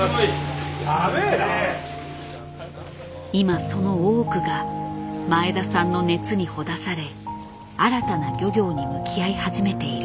今その多くが前田さんの熱にほだされ新たな漁業に向き合い始めている。